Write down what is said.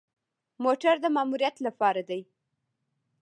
موټر د ماموریت لپاره دی